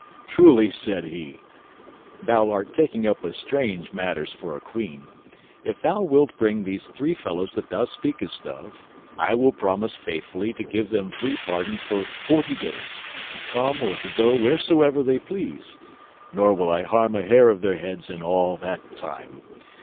"Truly," said he, "thou art taking up with strange matters for a queen. If thou wilt bring those three fellows that thou speakest of, I will promise faithfully to give them free pardon for forty days, to come or to go wheresoever they please, nor will I harm a hair of their heads in all that time.